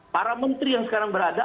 para menteri yang sekarang berada